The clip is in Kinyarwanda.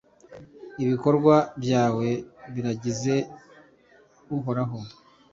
ibikorwa byawe biragize uhoraho